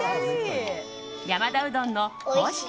山田うどんの公式